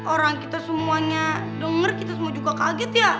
orang kita semuanya denger kita semua juga kaget ya